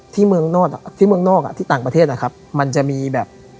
ที่เมืองนอกที่เมืองนอกอ่ะที่ต่างประเทศนะครับมันจะมีแบบ